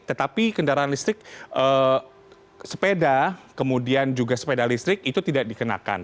tetapi kendaraan listrik sepeda kemudian juga sepeda listrik itu tidak dikenakan